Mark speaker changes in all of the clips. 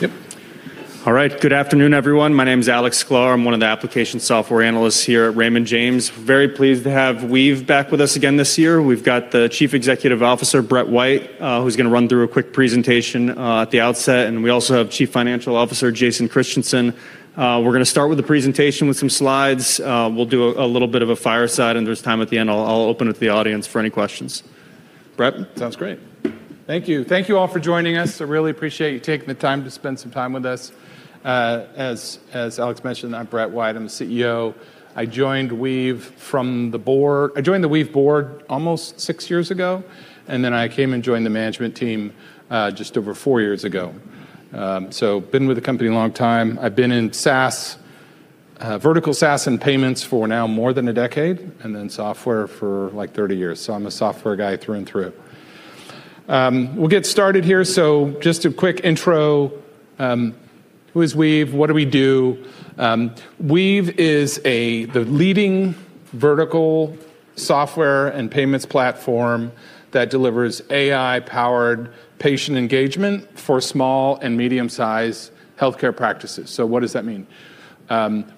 Speaker 1: Yep. All right, good afternoon, everyone. My name is Alexander Sklar. I'm one of the application software analysts here at Raymond James. Very pleased to have Weave back with us again this year. We've got the Chief Executive Officer, Brett White, who's gonna run through a quick presentation at the outset, and we also have Chief Financial Officer, Jason Christiansen. We're gonna start with the presentation with some slides. We'll do a little bit of a fireside, and there's time at the end I'll open it to the audience for any questions. Brett?
Speaker 2: Sounds great. Thank you. Thank you all for joining us. I really appreciate you taking the time to spend some time with us. As Alex mentioned, I'm Brett White. I'm the CEO. I joined the Weave board almost six years ago, and then I came and joined the management team just over four years ago. Been with the company a long time. I've been in SaaS, vertical SaaS and payments for now more than a decade, and then software for, like, 30 years. I'm a software guy through and through. We'll get started here. Just a quick intro. Who is Weave? What do we do? Weave is the leading vertical software and payments platform that delivers AI-powered patient engagement for small and medium-sized healthcare practices. What does that mean?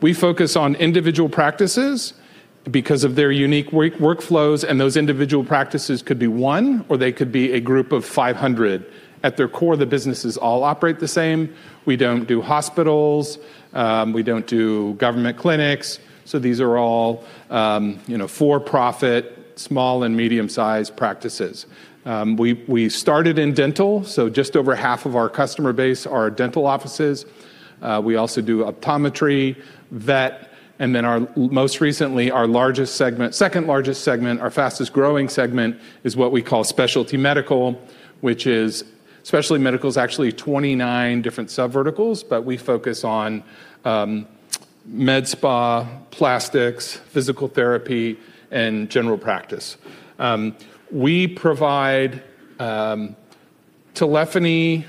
Speaker 2: We focus on individual practices because of their unique workflows. Those individual practices could be one, or they could be a group of 500. At their core, the businesses all operate the same. We don't do hospitals. We don't do government clinics. These are all, you know, for-profit, small and medium-sized practices. We started in dental. Just over half of our customer base are dental offices. We also do optometry, vet, and then our, most recently, our largest segment, second largest segment, our fastest-growing segment is what we call specialty medical, which is. Specialty medical is actually 29 different subverticals. We focus on med spa, plastics, physical therapy, and general practice. We provide telephony,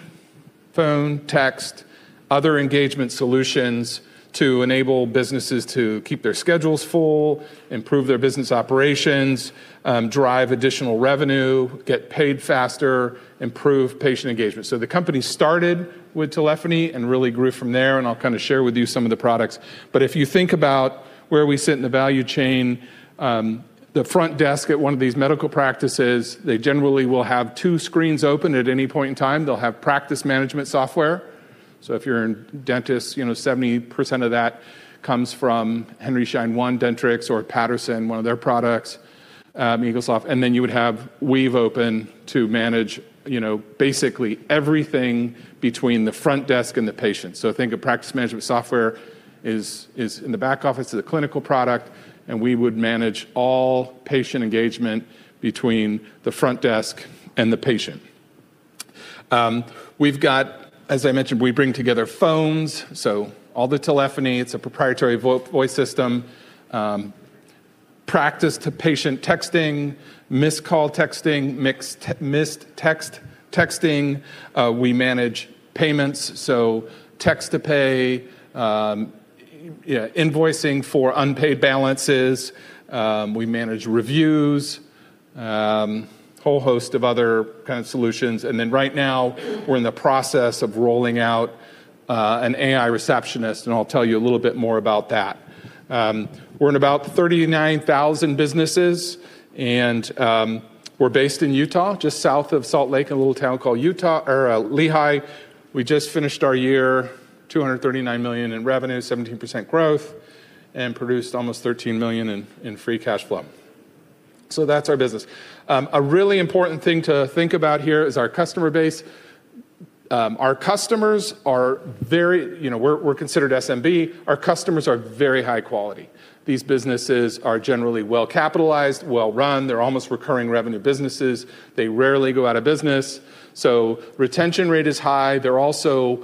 Speaker 2: phone, text, other engagement solutions to enable businesses to keep their schedules full, improve their business operations, drive additional revenue, get paid faster, improve patient engagement. The company started with telephony and really grew from there, and I'll kinda share with you some of the products. If you think about where we sit in the value chain, the front desk at one of these medical practices, they generally will have two screens open at any point in time. They'll have practice management software. If you're a dentist, you know, 70% of that comes from Henry Schein One, Dentrix, or Patterson, one of their products, Eaglesoft. Then you would have Weave open to manage, you know, basically everything between the front desk and the patient. Think of practice management software is in the back office of the clinical product, and we would manage all patient engagement between the front desk and the patient. We've got, as I mentioned, we bring together phones, so all the telephony. It's a proprietary voice system. Practice-to-patient texting, missed call texting, missed text texting. We manage payments, so Text-to-Pay, invoicing for unpaid balances. We manage reviews, whole host of other kind of solutions. Right now, we're in the process of rolling out an AI Receptionist, and I'll tell you a little bit more about that. We're in about 39,000 businesses, and we're based in Utah, just south of Salt Lake in a little town called Lehi. We just finished our year, $239 million in revenue, 17% growth, and produced almost $13 million in free cash flow. That's our business. A really important thing to think about here is our customer base. Our customers are very. You know, we're considered SMB. Our customers are very high quality. These businesses are generally well-capitalized, well-run. They're almost recurring revenue businesses. They rarely go out of business, retention rate is high. They're also,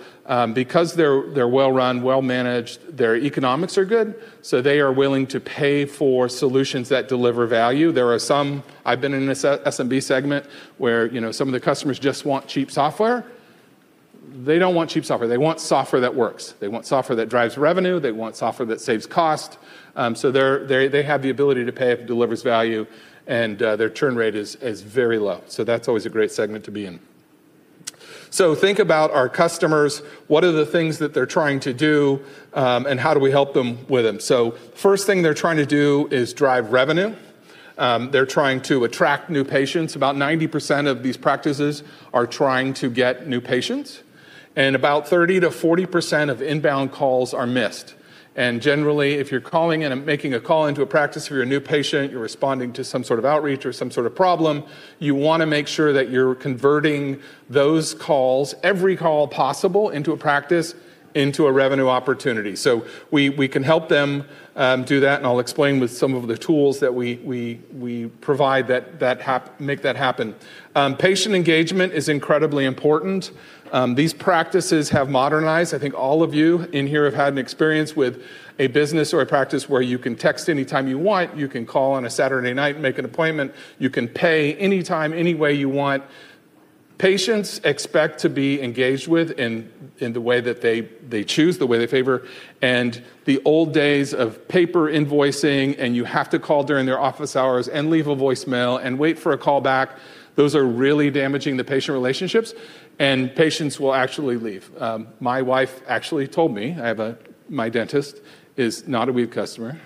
Speaker 2: because they're well-run, well-managed, their economics are good, they are willing to pay for solutions that deliver value. There are some. I've been in an SMB segment where, you know, some of the customers just want cheap software. They don't want cheap software. They want software that works. They want software that drives revenue. They want software that saves cost. They have the ability to pay if it delivers value, and their churn rate is very low. That's always a great segment to be in. Think about our customers. What are the things that they're trying to do, and how do we help them with them? First thing they're trying to do is drive revenue. They're trying to attract new patients. About 90% of these practices are trying to get new patients, and about 30%-40% of inbound calls are missed. Generally, if you're calling in and making a call into a practice or you're a new patient, you're responding to some sort of outreach or some sort of problem, you wanna make sure that you're converting those calls, every call possible into a practice, into a revenue opportunity. We can help them do that, and I'll explain with some of the tools that we provide that make that happen. Patient engagement is incredibly important. These practices have modernized. I think all of you in here have had an experience with a business or a practice where you can text anytime you want. You can call on a Saturday night and make an appointment. You can pay anytime, any way you want. Patients expect to be engaged with in the way that they choose, the way they favor, and the old days of paper invoicing, and you have to call during their office hours and leave a voicemail and wait for a call back, those are really damaging the patient relationships, and patients will actually leave. My wife actually told me, my dentist is not a Weave customer.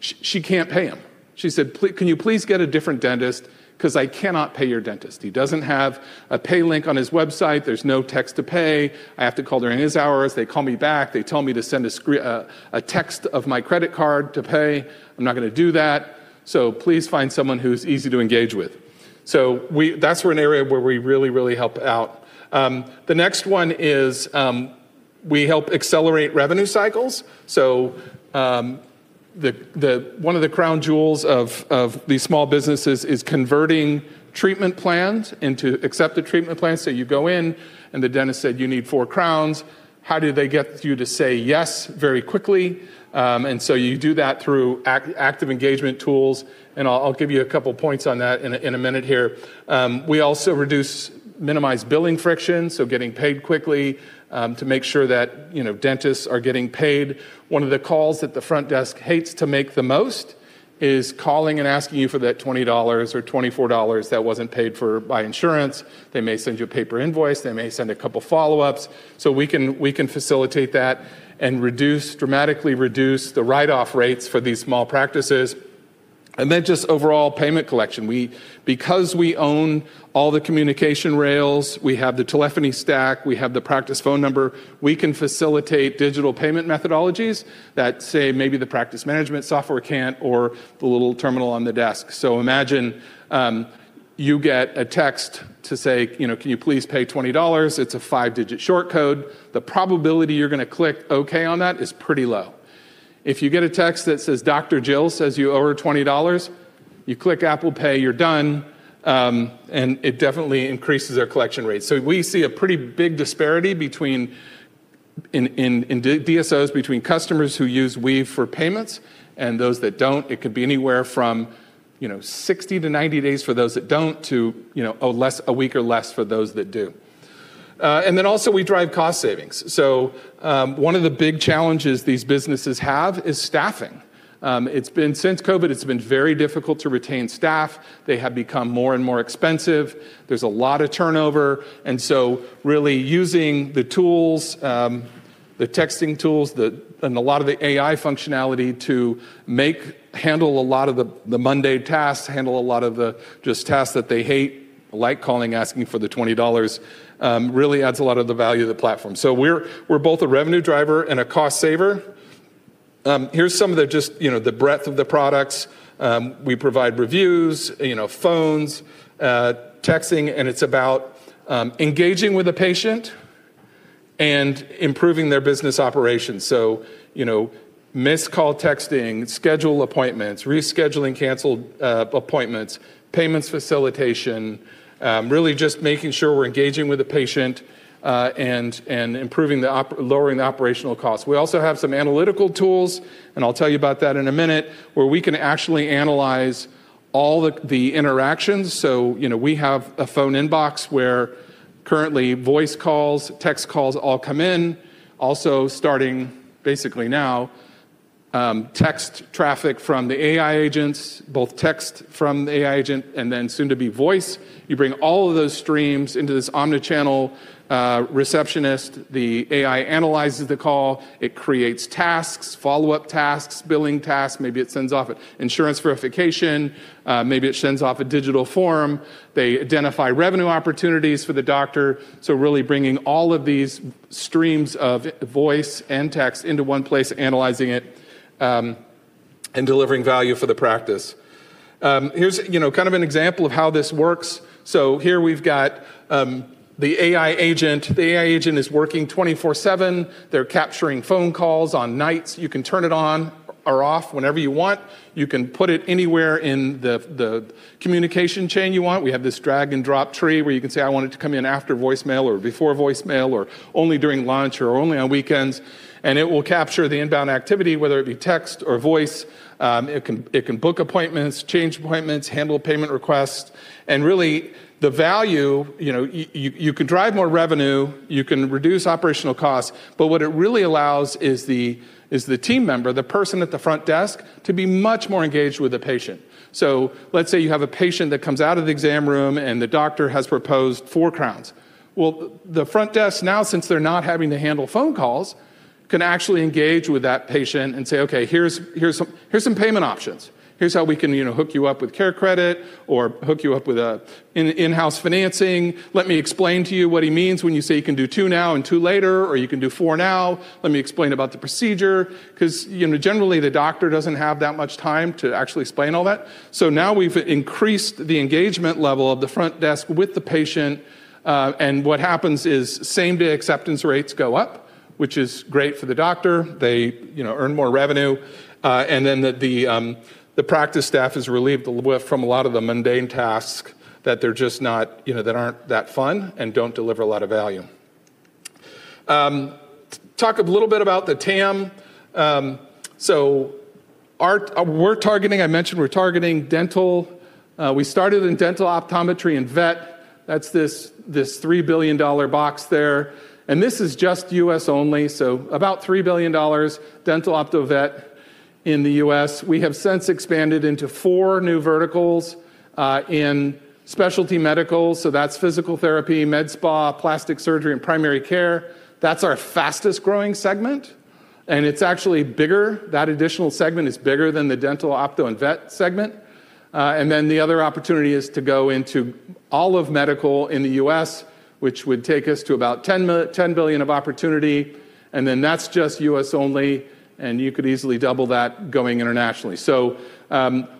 Speaker 2: She can't pay him. She said, "Can you please get a different dentist? 'Cause I cannot pay your dentist. He doesn't have a pay link on his website. There's no Text-to-Pay. I have to call during his hours. They call me back. They tell me to send a text of my credit card to pay. I'm not gonna do that. Please find someone who's easy to engage with." That's an area where we really, really help out. The next one is, we help accelerate revenue cycles. The one of the crown jewels of these small businesses is converting treatment plans into accepted treatment plans. You go in, and the dentist said you need four crowns. How do they get you to say yes very quickly? You do that through active engagement tools, and I'll give you a couple points on that in a minute here. We also reduce, minimize billing friction, so getting paid quickly, to make sure that, you know, dentists are getting paid. One of the calls that the front desk hates to make the most is calling and asking you for that $20 or $24 that wasn't paid for by insurance. They may send you a paper invoice. They may send a couple follow-ups. So we can facilitate that and reduce, dramatically reduce the write-off rates for these small practices. Just overall payment collection. Because we own all the communication rails, we have the telephony stack, we have the practice phone number, we can facilitate digital payment methodologies that, say, maybe the practice management software can't or the little terminal on the desk. Imagine, you get a text to say, you know, "Can you please pay $20?" It's a five-digit short code. The probability you're gonna click OK on that is pretty low. If you get a text that says, "Dr. Jill says you owe her $20," you click Apple Pay, you're done, and it definitely increases their collection rate. We see a pretty big disparity between, in DSOs, between customers who use Weave for payments and those that don't. It could be anywhere from, you know, 60-90 days for those that don't to, you know, less, a week or less for those that do. Also we drive cost savings. One of the big challenges these businesses have is staffing. Since COVID, it's been very difficult to retain staff. They have become more and more expensive. There's a lot of turnover. Really using the tools, the texting tools, and a lot of the AI functionality to handle a lot of the mundane tasks, handle a lot of the just tasks that they hate, like calling, asking for the $20, really adds a lot of the value to the platform. We're, we're both a revenue driver and a cost saver. Here's some of the just, you know, the breadth of the products. We provide reviews, you know, phones, texting, and it's about engaging with the patient and improving their business operations. You know, missed call texting, schedule appointments, rescheduling canceled appointments, payments facilitation, really just making sure we're engaging with the patient and improving the lowering the operational costs. We also have some analytical tools, and I'll tell you about that in a minute, where we can actually analyze all the interactions. You know, we have a phone inbox where currently voice calls, text calls all come in, also starting basically now, text traffic from the AI agents, both text from the AI agent and then soon to be voice. You bring all of those streams into this omnichannel receptionist. The AI analyzes the call. It creates tasks, follow-up tasks, billing tasks. Maybe it sends off an insurance verification. Maybe it sends off a digital form. They identify revenue opportunities for the doctor. Really bringing all of these streams of voice and text into one place, analyzing it, and delivering value for the practice. Here's, you know, kind of an example of how this works. Here we've got the AI agent. The AI agent is working 24/7. They're capturing phone calls on nights. You can turn it on or off whenever you want. You can put it anywhere in the communication chain you want. We have this drag and drop tree where you can say, "I want it to come in after voicemail or before voicemail or only during lunch or only on weekends." It will capture the inbound activity, whether it be text or voice. It can book appointments, change appointments, handle payment requests. Really, the value, you know, you can drive more revenue, you can reduce operational costs, but what it really allows is the team member, the person at the front desk, to be much more engaged with the patient. Let's say you have a patient that comes out of the exam room and the doctor has proposed 4 crowns. The front desk now, since they're not having to handle phone calls, can actually engage with that patient and say, "Okay, here's some payment options. Here's how we can, you know, hook you up with CareCredit or hook you up with a in-house financing. Let me explain to you what he means when you say you can do two now and two later, or you can do four now. Let me explain about the procedure." 'Cause, you know, generally the doctor doesn't have that much time to actually explain all that. Now we've increased the engagement level of the front desk with the patient, and what happens is same-day acceptance rates go up, which is great for the doctor. They, you know, earn more revenue, and then the practice staff is relieved from a lot of the mundane tasks that they're just not, you know, that aren't that fun and don't deliver a lot of value. Talk a little bit about the TAM. We're targeting, I mentioned we're targeting dental. We started in dental optometry and vet. That's this $3 billion box there, and this is just U.S. only, about $3 billion dental opto vet in the U.S. We have since expanded into four new verticals, in specialty medical, so that's physical therapy, med spa, plastic surgery, and primary care. That's our fastest-growing segment, and it's actually bigger. That additional segment is bigger than the dental opto and vet segment. The other opportunity is to go into all of medical in the U.S., which would take us to about $10 billion of opportunity, and then that's just U.S. only, and you could easily double that going internationally.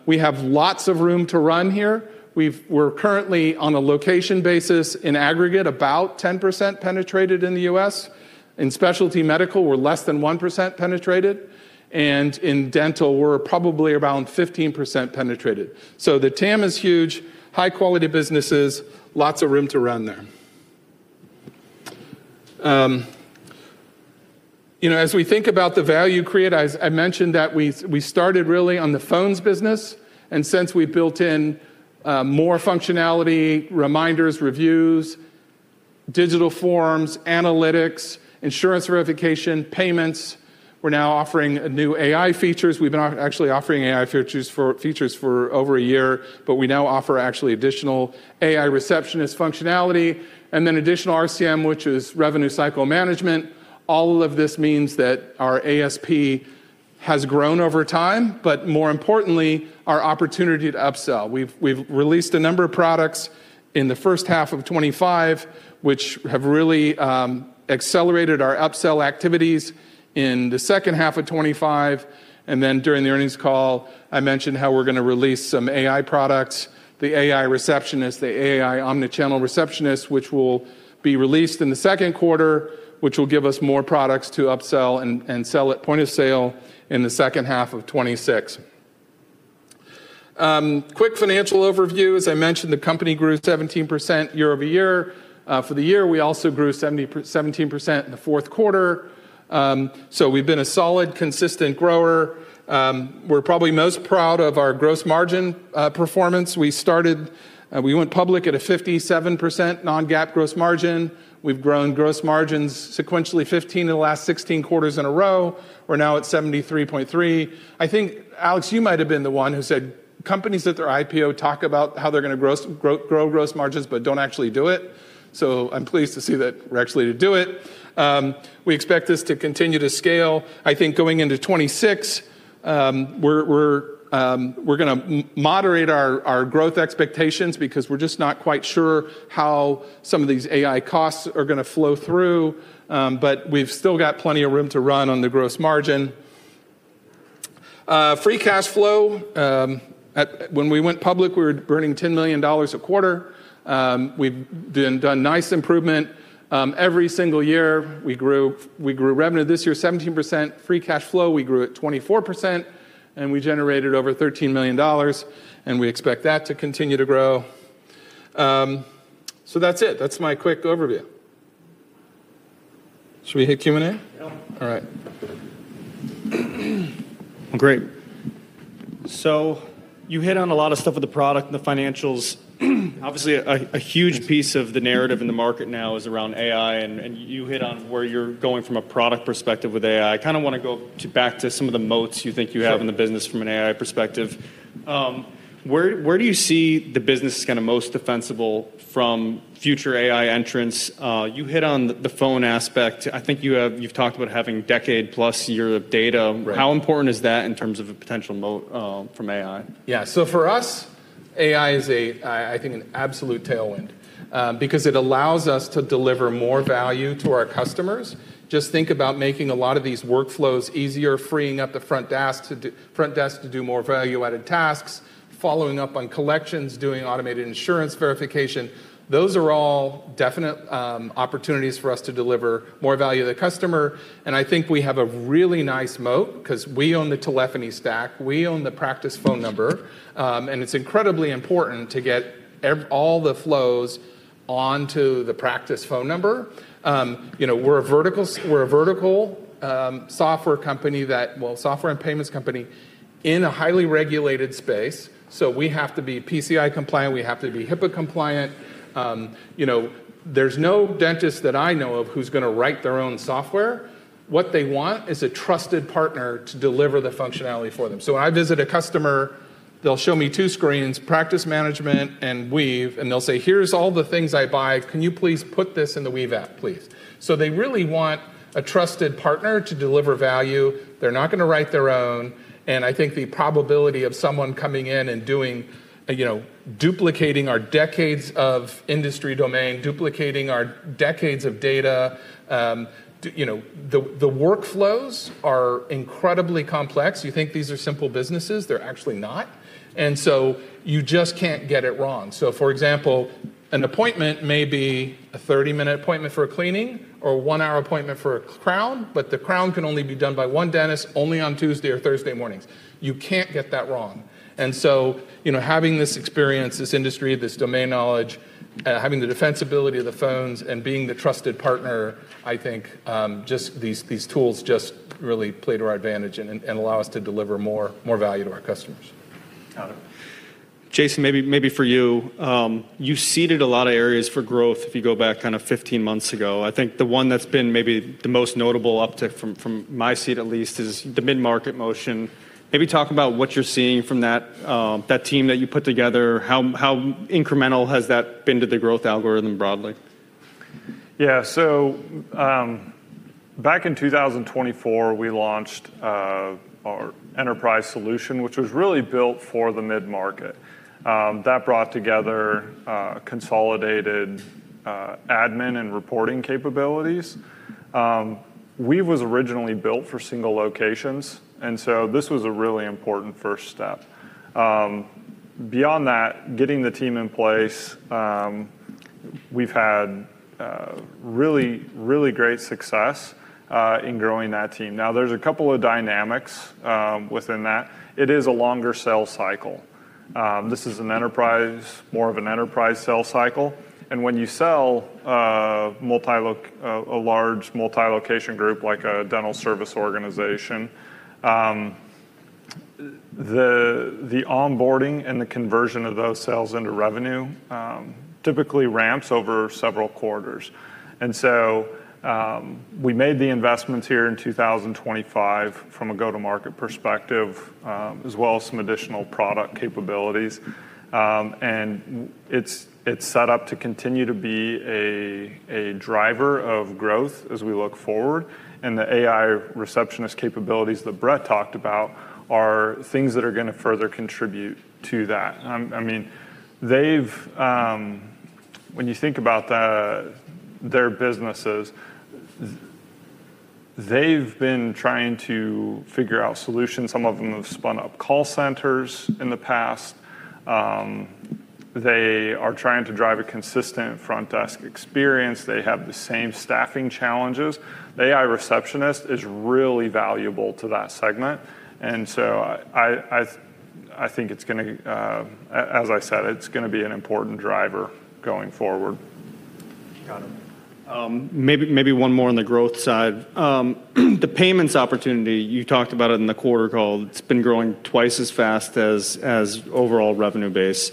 Speaker 2: We have lots of room to run here. We're currently on a location basis in aggregate about 10% penetrated in the U.S. In specialty medical, we're less than 1% penetrated, and in dental, we're probably around 15% penetrated. The TAM is huge, high-quality businesses, lots of room to run there. you know, as we think about the value created, I mentioned that we started really on the phones business, and since we built in more functionality, reminders, reviews, digital forms, analytics, insurance verification, payments. We're now offering new AI features. We've been actually offering AI features for over a year, but we now offer actually additional AI Receptionist functionality and then additional RCM, which is revenue cycle management. All of this means that our ASP has grown over time, but more importantly, our opportunity to upsell. We've released a number of products in the first half of 2025, which have really accelerated our upsell activities in the second half of 2025. During the earnings call, I mentioned how we're gonna release some AI products, the AI Receptionist, the AI Omnichannel Receptionist, which will be released in the Q2, which will give us more products to upsell and sell at point of sale in the second half of 2026. Quick financial overview. As I mentioned, the company grew 17% year-over-year for the year. We also grew 17% in the Q4. We've been a solid, consistent grower. We're probably most proud of our gross margin performance. We started, we went public at a 57% non-GAAP gross margin. We've grown gross margins sequentially 15 of the last 16 quarters in a row. We're now at 73.3%. I think, Alex, you might have been the one who said, companies at their IPO talk about how they're gonna grow gross margins but don't actually do it. I'm pleased to see that we're actually to do it. We expect this to continue to scale. I think going into 2026, we're gonna moderate our growth expectations because we're just not quite sure how some of these AI costs are gonna flow through. We've still got plenty of room to run on the gross margin. Free cash flow. When we went public, we were burning $10 million a quarter. We've been done nice improvement, every single year. We grew revenue this year 17%. Free cash flow, we grew it 24%, and we generated over $13 million, and we expect that to continue to grow. That's it. That's my quick overview. Should we hit Q&A?
Speaker 1: Yeah.
Speaker 2: All right.
Speaker 1: Great. You hit on a lot of stuff with the product and the financials. Obviously, a huge piece of the narrative in the market now is around AI, and you hit on where you're going from a product perspective with AI. I kinda wanna go back to some of the moats you think you have.
Speaker 2: Sure.
Speaker 1: in the business from an AI perspective. Where do you see the business is kind of most defensible from future AI entrants? You hit on the phone aspect. I think you've talked about having decade-plus year of data.
Speaker 2: Right.
Speaker 1: How important is that in terms of a potential moat, from AI?
Speaker 2: Yeah. For us, AI is a, I think an absolute tailwind because it allows us to deliver more value to our customers. Just think about making a lot of these workflows easier, freeing up the front desk to do more value-added tasks, following up on collections, doing automated insurance verification. Those are all definite opportunities for us to deliver more value to the customer, and I think we have a really nice moat 'cause we own the telephony stack, we own the practice phone number, and it's incredibly important to get all the flows onto the practice phone number. You know, we're a vertical we're a vertical software company that... Well, software and payments company in a highly regulated space. We have to be PCI compliant. We have to be HIPAA compliant. You know, there's no dentist that I know of who's gonna write their own software. What they want is a trusted partner to deliver the functionality for them. When I visit a customer, they'll show me two screens, practice management and Weave, and they'll say, "Here's all the things I buy. Can you please put this in the Weave app, please?" They really want a trusted partner to deliver value. They're not gonna write their own. I think the probability of someone coming in and doing, you know, duplicating our decades of industry domain, duplicating our decades of data, you know, the workflows are incredibly complex. You think these are simple businesses, they're actually not. You just can't get it wrong. For example, an appointment may be a 30-minute appointment for a cleaning or a 1-hour appointment for a crown, but the crown can only be done by one dentist only on Tuesday or Thursday mornings. You can't get that wrong. You know, having this experience, this industry, this domain knowledge, having the defensibility of the phones, and being the trusted partner, I think, just these tools just really play to our advantage and allow us to deliver more value to our customers.
Speaker 1: Got it. Jason, maybe for you. You seeded a lot of areas for growth if you go back kind of 15 months ago. I think the one that's been maybe the most notable uptick from my seat at least is the mid-market motion. Maybe talk about what you're seeing from that team that you put together. How incremental has that been to the growth algorithm broadly?
Speaker 3: Back in 2024, we launched our enterprise solution, which was really built for the mid-market. That brought together consolidated admin and reporting capabilities. Weave was originally built for single locations, and so this was a really important first step. Beyond that, getting the team in place, we've had really, really great success in growing that team. There's a couple of dynamics within that. It is a longer sales cycle. This is an enterprise, more of an enterprise sales cycle, and when you sell a large multi-location group like a dental service organization, the onboarding and the conversion of those sales into revenue typically ramps over several quarters. We made the investments here in 2025 from a go-to-market perspective, as well as some additional product capabilities. It's set up to continue to be a driver of growth as we look forward, and the AI Receptionist capabilities that Brett talked about are things that are gonna further contribute to that. I mean, they've, when you think about their businesses, they've been trying to figure out solutions. Some of them have spun up call centers in the past. They are trying to drive a consistent front desk experience. They have the same staffing challenges. The AI Receptionist is really valuable to that segment. I think it's gonna, as I said, it's gonna be an important driver going forward.
Speaker 1: Got it. Maybe one more on the growth side. The payments opportunity, you talked about it in the quarter call. It's been growing twice as fast as overall revenue base.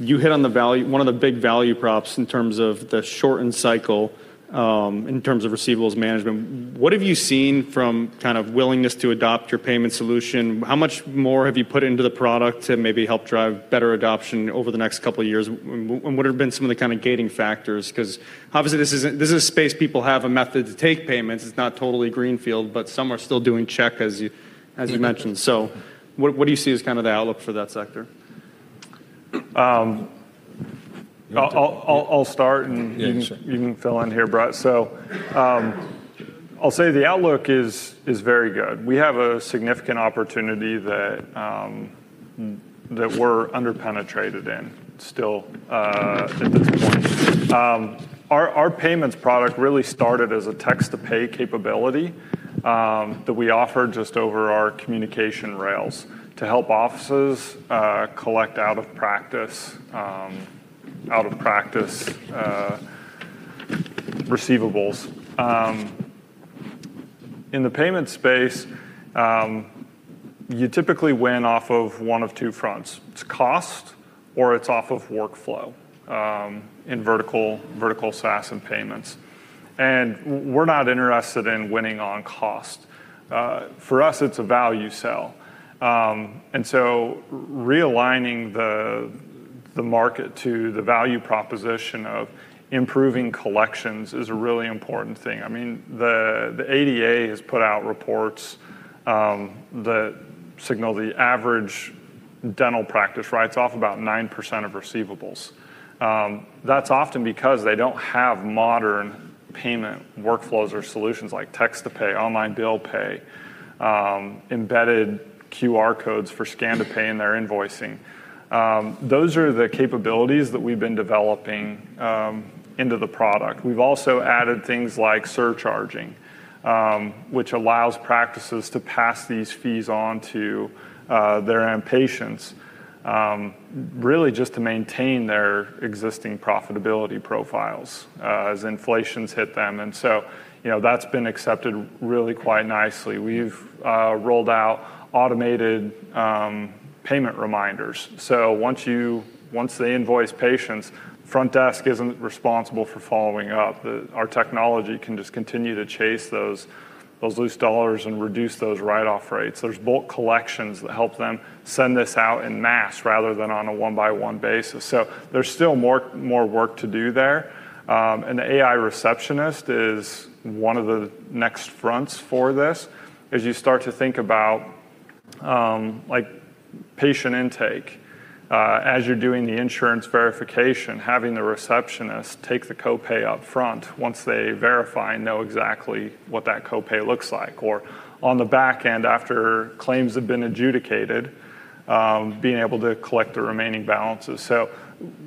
Speaker 1: You hit on the value, one of the big value props in terms of the shortened cycle, in terms of receivables management. What have you seen from kind of willingness to adopt your payment solution? How much more have you put into the product to maybe help drive better adoption over the next couple of years? What have been some of the kind of gating factors? 'Cause obviously, this isn't, this is a space people have a method to take payments. It's not totally greenfield, but some are still doing check, as you mentioned. What do you see as kind of the outlook for that sector?
Speaker 3: I'll start.
Speaker 1: Yeah, sure.
Speaker 3: You can fill in here, Brett. I'll say the outlook is very good. We have a significant opportunity that we're under-penetrated in still at this point. Our payments product really started as a Text-to-Pay capability that we offered just over our communication rails to help offices collect out of practice out of practice receivables. In the payment space, you typically win off of one of two fronts. It's cost or it's off of workflow in vertical SaaS and payments. We're not interested in winning on cost. For us, it's a value sell. Realigning the market to the value proposition of improving collections is a really important thing. I mean, the ADA has put out reports that signal the average dental practice writes off about 9% of receivables. That's often because they don't have modern payment workflows or solutions like Text-to-Pay, online bill pay, embedded QR codes for scan to pay in their invoicing. Those are the capabilities that we've been developing into the product. We've also added things like surcharging, which allows practices to pass these fees on to their end patients, really just to maintain their existing profitability profiles as inflation's hit them. You know, that's been accepted really quite nicely. We've rolled out automated payment reminders. Once they invoice patients, front desk isn't responsible for following up. Our technology can just continue to chase those loose dollars and reduce those write-off rates. There's bulk collections that help them send this out in mass rather than on a one-by-one basis. There's still more work to do there. The AI Receptionist is one of the next fronts for this as you start to think about like patient intake, as you're doing the insurance verification, having the receptionist take the copay up front once they verify and know exactly what that copay looks like. On the back end, after claims have been adjudicated, being able to collect the remaining balances.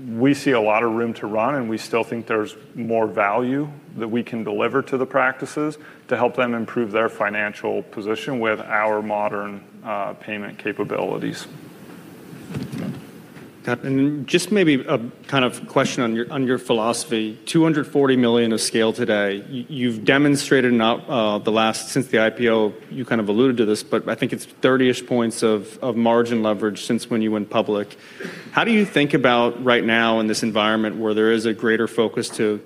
Speaker 3: We see a lot of room to run, and we still think there's more value that we can deliver to the practices to help them improve their financial position with our modern payment capabilities.
Speaker 1: Just maybe a kind of question on your, on your philosophy. $240 million of scale today, you've demonstrated not the last since the IPO, you kind of alluded to this, but I think it's 30-ish points of margin leverage since when you went public. How do you think about right now in this environment where there is a greater focus to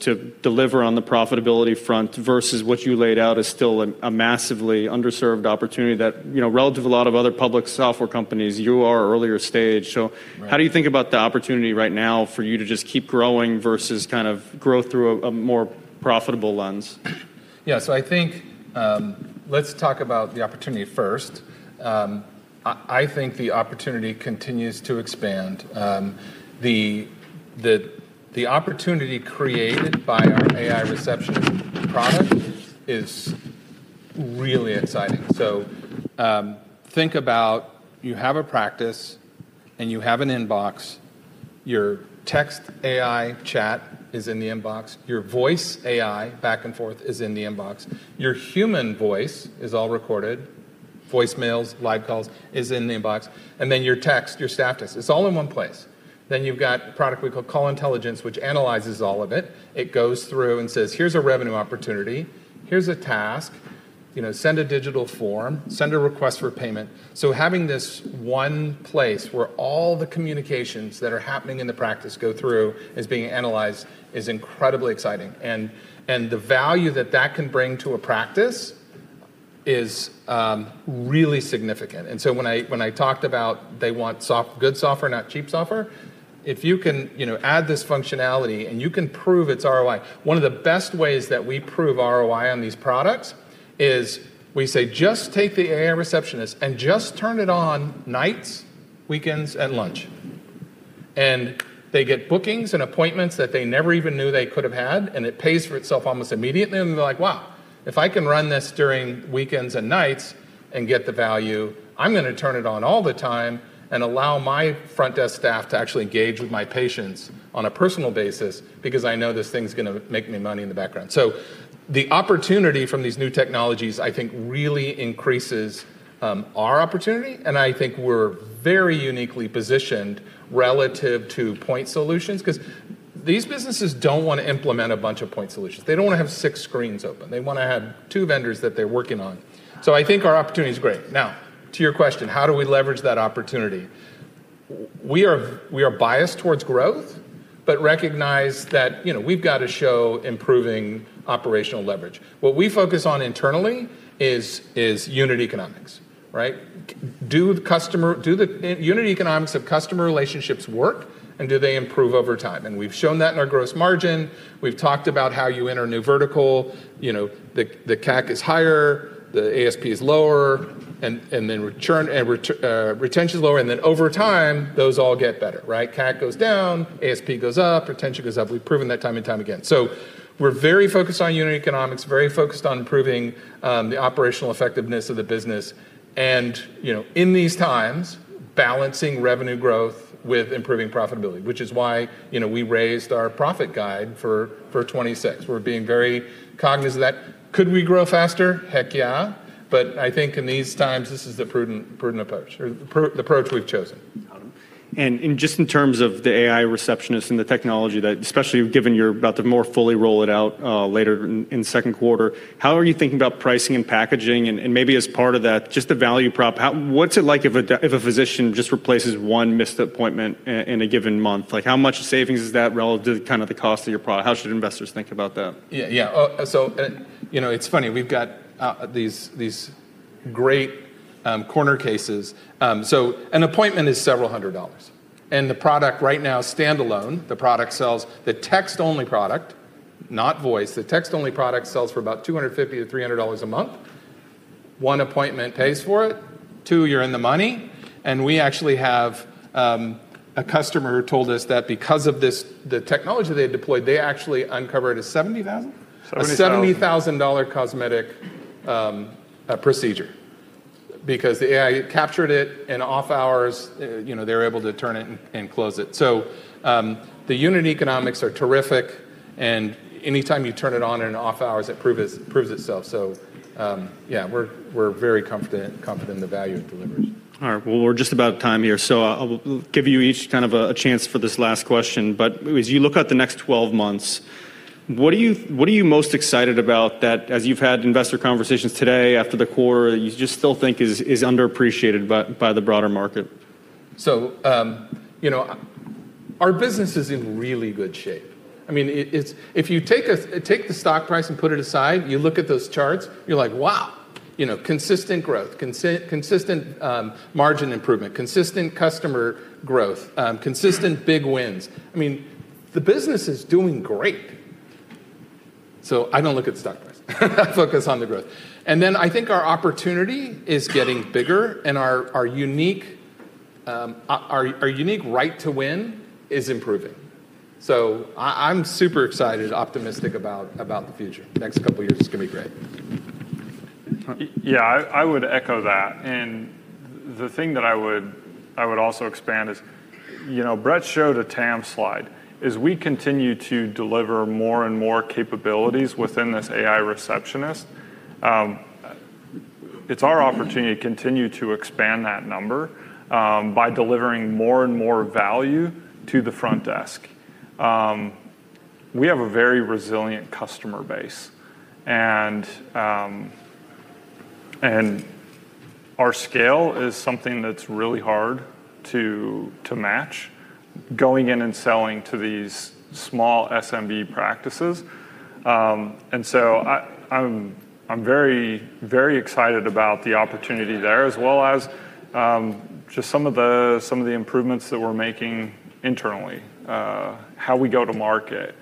Speaker 1: deliver on the profitability front versus what you laid out is still a massively underserved opportunity that, you know, relative a lot of other public software companies, you are earlier stage?
Speaker 2: Right.
Speaker 1: How do you think about the opportunity right now for you to just keep growing versus kind of grow through a more profitable lens?
Speaker 2: Yeah. I think, let's talk about the opportunity first. I think the opportunity continues to expand. The, the opportunity created by our AI Receptionist product is really exciting. Think about you have a practice and you have an inbox. Your text AI chat is in the inbox, your voice AI back and forth is in the inbox. Your human voice is all recorded, voicemails, live calls, is in the inbox, and then your text, your staff text, it's all in one place. You've got a product we call Call Intelligence, which analyzes all of it. It goes through and says, "Here's a revenue opportunity. Here's a task, you know, send a digital form, send a request for payment. Having this one place where all the communications that are happening in the practice go through is being analyzed is incredibly exciting and the value that that can bring to a practice is really significant. When I talked about they want good software, not cheap software. If you can, you know, add this functionality and you can prove its ROI. One of the best ways that we prove ROI on these products is we say, "Just take the AI Receptionist and just turn it on nights, weekends, and lunch." They get bookings and appointments that they never even knew they could have had, and it pays for itself almost immediately, and they're like, "Wow, if I can run this during weekends and nights and get the value, I'm gonna turn it on all the time and allow my front desk staff to actually engage with my patients on a personal basis because I know this thing's gonna make me money in the background." The opportunity from these new technologies, I think, really increases our opportunity, and I think we're very uniquely positioned relative to point solutions 'cause these businesses don't wanna implement a bunch of point solutions. They don't wanna have 6 screens open. They wanna have two vendors that they're working on. I think our opportunity is great. Now, to your question, how do we leverage that opportunity? We are biased towards growth, but recognize that, you know, we've got to show improving operational leverage. What we focus on internally is unit economics, right? Do the unit economics of customer relationships work, and do they improve over time? We've shown that in our gross margin. We've talked about how you enter a new vertical, you know, the CAC is higher, the ASP is lower, and then retention is lower, and then over time, those all get better, right? CAC goes down, ASP goes up, retention goes up. We've proven that time and time again. We're very focused on unit economics, very focused on improving the operational effectiveness of the business and, you know, in these times, balancing revenue growth with improving profitability, which is why, you know, we raised our profit guide for 2026. We're being very cognizant of that. Could we grow faster? Heck, yeah. I think in these times, this is the prudent approach, or the approach we've chosen.
Speaker 1: Got it. In just in terms of the AI Receptionist and the technology that, especially given you're about to more fully roll it out, later in the Q2, how are you thinking about pricing and packaging? Maybe as part of that, just the value prop, what's it like if a physician just replaces one missed appointment in a given month? Like, how much savings is that relative to kind of the cost of your product? How should investors think about that?
Speaker 2: Yeah. Yeah. You know, it's funny, we've got these great corner cases. An appointment is several hundred dollars, and the product right now standalone, the product sells the text-only product, not voice, for about $250-$300 a month. One appointment pays for it, two, you're in the money, and we actually have a customer who told us that because of this, the technology they deployed, they actually uncovered a $70,000?
Speaker 3: $70,000.
Speaker 2: A $70,000 cosmetic procedure. The AI captured it in off hours, you know, they're able to turn it and close it. The unit economics are terrific, and anytime you turn it on in off hours, it proves itself. Yeah, we're very confident in the value it delivers.
Speaker 1: All right. Well, we're just about of time here, so I'll give you each kind of a chance for this last question. As you look at the next 12 months, what are you most excited about that as you've had investor conversations today after the quarter, you just still think is underappreciated by the broader market?
Speaker 2: You know, our business is in really good shape. I mean, it's if you take the stock price and put it aside, you look at those charts, you're like, "Wow," you know, consistent growth, consistent margin improvement, consistent customer growth, consistent big wins. I mean, the business is doing great. I don't look at stock price. I focus on the growth. Then I think our opportunity is getting bigger and our unique right to win is improving. I'm super excited, optimistic about the future. Next couple of years is gonna be great.
Speaker 3: Yeah, I would echo that. The thing that I would also expand is, you know, Brett showed a TAM slide. As we continue to deliver more and more capabilities within this AI Receptionist, it's our opportunity to continue to expand that number by delivering more and more value to the front desk. We have a very resilient customer base and our scale is something that's really hard to match going in and selling to these small SMB practices. I'm very, very excited about the opportunity there, as well as just some of the improvements that we're making internally, how we go to market.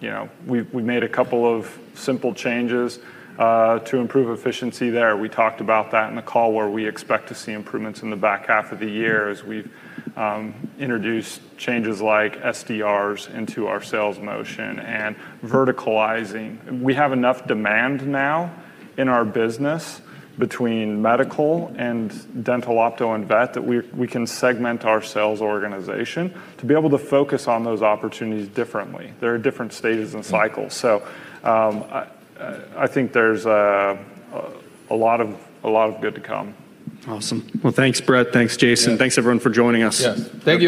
Speaker 3: You know, we made a couple of simple changes to improve efficiency there. We talked about that in the call where we expect to see improvements in the back half of the year as we've introduced changes like SDRs into our sales motion and verticalizing. We have enough demand now in our business between medical and dental, opto, and vet, that we can segment our sales organization to be able to focus on those opportunities differently. There are different stages and cycles. I think there's a lot of good to come.
Speaker 1: Awesome. Well, thanks, Brett. Thanks, Jason.
Speaker 2: Yeah.
Speaker 1: Thanks everyone for joining us.
Speaker 2: Yes. Thank you.